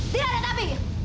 tidak ada tapi